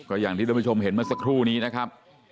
อย่างที่ท่านผู้ชมเห็นเมื่อสักครู่นี้นะครับ